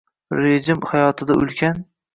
- rejim hayotida ulkan